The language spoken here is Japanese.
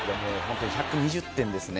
１２０点ですね。